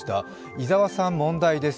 伊沢さん、問題です。